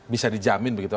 bisa dijamin begitu